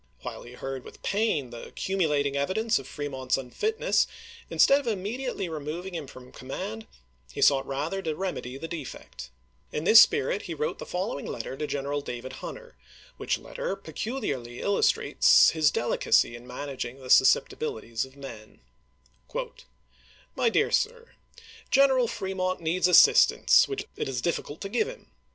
While he heard with pain the cumulating evidence of Fremont's unfitness, instead of immediately remo^dng him from command, he sought rather to remedy the defect. In this spirit FKEMONT 413 he wrote the following letter to General David ch. xxiii. Hunter, which letter peculiarly illustrates his deli cacy in managing the susceptibilities of men : My Dear Sir : G eneral Fremont needs assistance which it is difficult to give him.